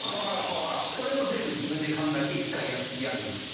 それも全部自分で考えて１回やる。